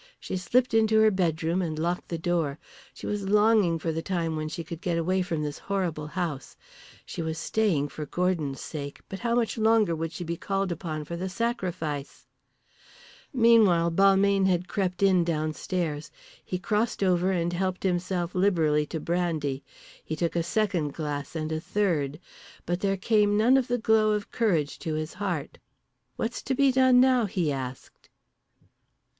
She slipped into her bedroom and locked the door. She was longing for the time when she could get away from this horrible house. She was staying for Gordon's sake. But how much longer would she be called upon for the sacrifice? Meanwhile Balmayne had crept in downstairs. He crossed over and helped himself liberally to brandy. He took a second glass, and a third. But there came none of the glow of courage to his heart. "What's to be done now?" he asked.